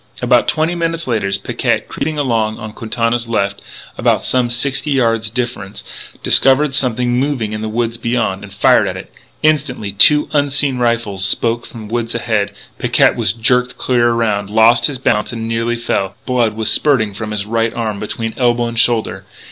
About twenty minutes later Picquet, creeping along on Quintana's left, and some sixty yards distant, discovered something moving in the woods beyond, and fired at it. Instantly two unseen rifles spoke from the woods ahead. Picquet was jerked clear around, lost his balance and nearly fell. Blood was spurting from his right arm, between elbow and shoulder.